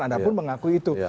atau ada yang mengaku itu